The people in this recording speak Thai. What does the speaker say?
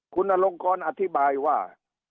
คุณอลงกรอธิบายว่า